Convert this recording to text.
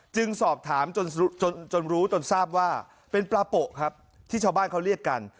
จึงสอบถามจนรู้จนทราบว่าเป็นปลาโปะครับที่ชาวบ้านเขาเรียกกัน